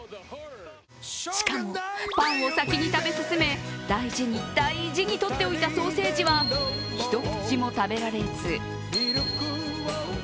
しかもパンを先に食べ進め大事に大事にとっておいたソーセージは、一口も食べられず。